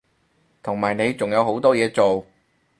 同埋你仲有好多嘢做